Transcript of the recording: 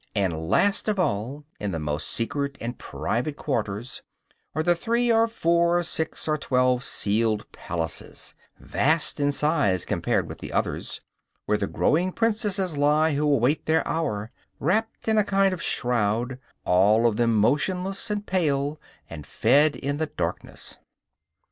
And, last of all, in the most secret and private quarters, are the three, four, six or twelve sealed palaces, vast in size compared with the others, where the growing princesses lie who await their hour; wrapped in a kind of shroud, all of them motionless and pale, and fed in the darkness.